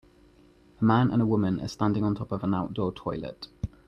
A man and a woman are standing on top of an outdoor toilet.